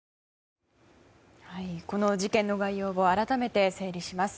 この事件の概要を改めて整理します。